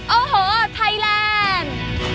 โอ้โหไทยแลนด์